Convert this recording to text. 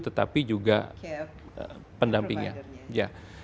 tetapi juga pendampingnya